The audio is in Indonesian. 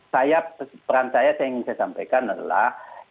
saya peran saya saya ingin saya sampaikan adalah